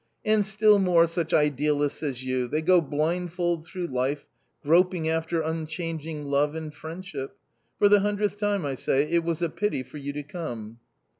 " And still more such idealists as you : they go blindfold through life, groping afteFmicrianging love and friendship. For the hundredth time I say, it was a pity for you to come